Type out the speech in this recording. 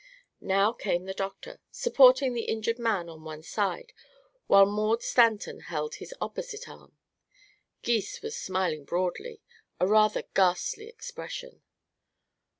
Now came the doctor, supporting the injured man on one side while Maud Stanton held his opposite arm. Gys was smiling broadly a rather ghastly expression.